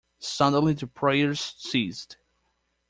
Suddenly the prayers ceased.